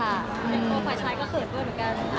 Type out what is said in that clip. แล้วก็ฝ่ายชายก็เขินด้วยเหมือนกัน